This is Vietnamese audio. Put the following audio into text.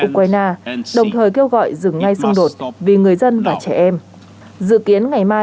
ukraine đồng thời kêu gọi dừng ngay xung đột vì người dân và trẻ em dự kiến ngày mai